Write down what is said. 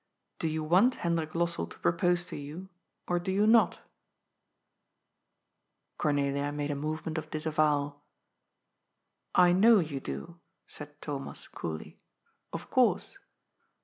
Do you want Hendrik Lossell to pro pose to you, or do you not ?" Cornelia made a movement of disavowal. "I know you do," said Thomas coolly. "Of course.